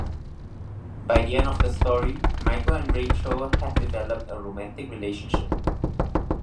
By the end of the story, Michael and Rachel have developed a romantic relationship.